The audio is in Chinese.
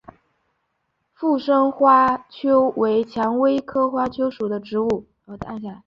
附生花楸为蔷薇科花楸属的植物。